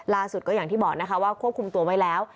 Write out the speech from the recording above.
ล่าสุดก็อย่างที่บอกนะคะว่าควบคุมตัวไว้แล้ว